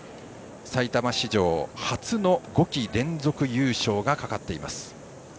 埼玉史上初の５季連続優勝がかかっています。